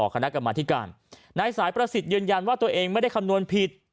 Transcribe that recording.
คณะกรรมธิการนายสายประสิทธิ์ยืนยันว่าตัวเองไม่ได้คำนวณผิด